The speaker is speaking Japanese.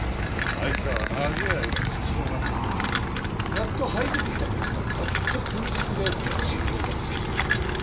あいつらは長え間土の中にいてやっとはい出てきたと思ったらたった数日で寿命が尽きる。